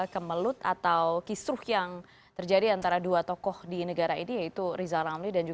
kita lihat ada pernyataan